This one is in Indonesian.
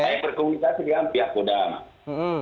saya berkomunikasi dengan pihak kodam